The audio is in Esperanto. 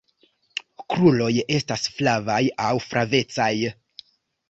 Kruroj estas flavaj aŭ flavecaj.